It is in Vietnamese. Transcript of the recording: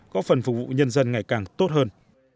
có phần phục vụ nhân dân ngày càng tốt hơn